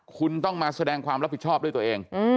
คุณต้องมาแสดงความรับผิดชอบด้วยตัวเอง